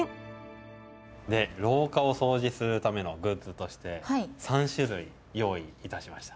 廊下をそうじするためのグッズとして３種類用意いたしました。